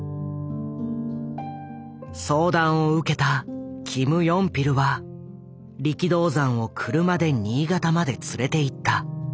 相談を受けたキム・ヨンピルは力道山を車で新潟まで連れていった。